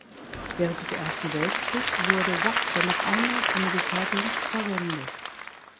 Während des Ersten Weltkriegs wurde Sachse noch einmal zum Militärdienst verwendet.